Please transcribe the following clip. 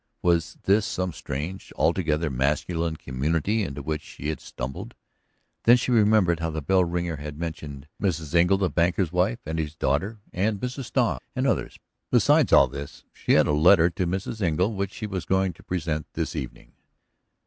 Was this some strange, altogether masculine, community into which she had stumbled? Then she remembered how the bell ringer had mentioned Mrs. Engle, the banker's wife, and his daughter and Mrs. Struve and others. Besides all this she had a letter to Mrs. Engle which she was going to present this evening.